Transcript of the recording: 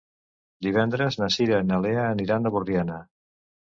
Divendres na Cira i na Lea aniran a Borriana.